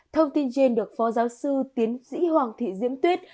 thông tin trên được phó giáo sư tiến sĩ hoàng thị diễm tuyết